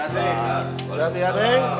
berarti ya neng